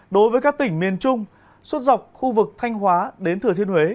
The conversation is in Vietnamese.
đối với các tỉnh miền trung suốt dọc khu vực thanh hóa đến thừa thiên huế